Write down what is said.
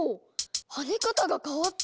跳ね方が変わった！